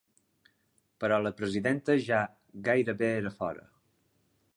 Però la presidenta ja gairebé era fora.